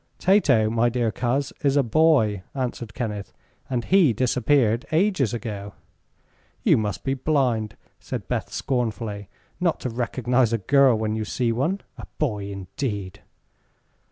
"Tato, my dear coz, is a boy," answered Kenneth; "and he disappeared ages ago." "You must be blind," said Beth, scornfully, "not to recognize a girl when you see one. A boy, indeed!"